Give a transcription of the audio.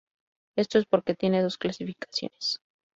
Esto es porque tiene dos clasificaciones.